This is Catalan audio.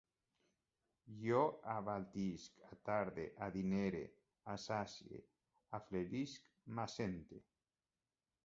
Jo abaltisc, atarde, adinere, assacie, afeblisc, m'absente